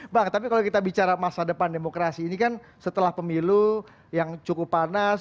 bang tapi kalau kita bicara masa depan demokrasi ini kan setelah pemilu yang cukup panas